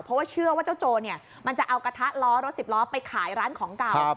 เพราะว่าเชื่อว่าเจ้าโจรมันจะเอากระทะล้อรถสิบล้อไปขายร้านของเก่า